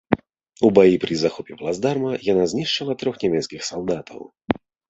У баі пры захопе плацдарма яна знішчыла трох нямецкіх салдатаў.